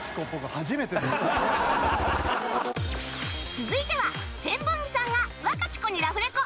続いては千本木さんがワカチコにラフレコ